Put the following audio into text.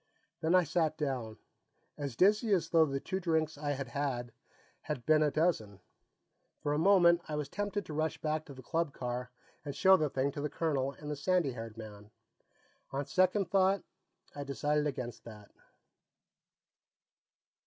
Then I sat down, as dizzy as though the two drinks I had had, had been a dozen. For a moment, I was tempted to rush back to the club car and show the thing to the colonel and the sandy haired man. On second thought, I decided against that.